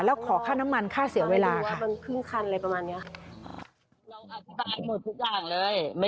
แล้วขอค่าน้ำมันค่าเสียเวลาค่ะ